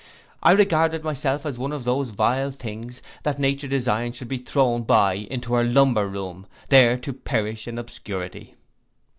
I regarded myself as one of those vile things that nature designed should be thrown by into her lumber room, there to perish in obscurity.